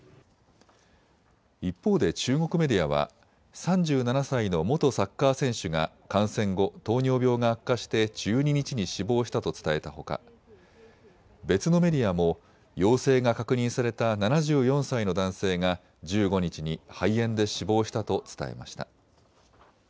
一方で中国メディアは３７歳の元サッカー選手が感染後、糖尿病が悪化して１２日に死亡したと伝えたほか別のメディアも陽性が確認された７４歳の男性が１５日に肺炎で死亡したと伝えました。